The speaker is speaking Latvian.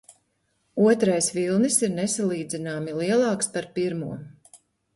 Otrais vilnis ir nesalīdzināmi lielāks par pirmo.